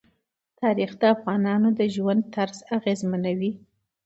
تاریخ د افغانانو د ژوند طرز اغېزمنوي.